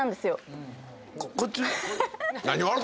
こっち？